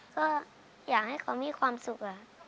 ก็อยากให้เขามีความสุข